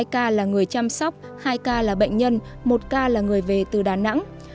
hai ca là người chăm sóc hai ca là bệnh nhân một ca là người về từ đà nẵng